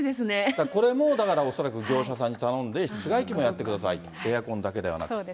だからこれも、恐らく業者さんに頼んで、室外機もやってくださいと、エアコンだけではなくって。